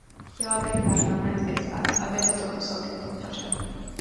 Chtěla bych Parlament vyzvat, aby toto úsilí podpořil.